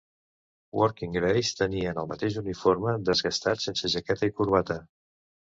"Working grays" tenien el mateix uniforme desgastat sense jaqueta i corbata.